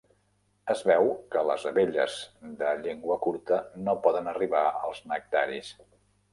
Es veu que les abelles de llengua curta no poden arribar als nectaris.